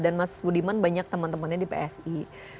dan mas budiman banyak teman temannya di psi